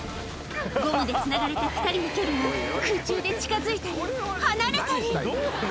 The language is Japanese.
ゴムでつながれた２人の距離も、空中で近づいたり離れたり。